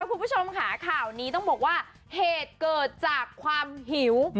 คุณผู้ชมค่ะข่าวนี้ต้องบอกว่าเหตุเกิดจากความหิว